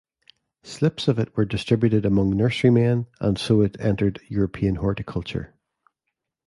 Slips of it were distributed among nurserymen and so it entered European horticulture.